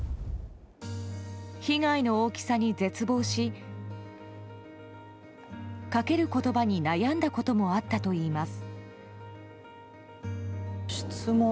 被害の大きさに絶望しかける言葉に悩んだこともあったといいます。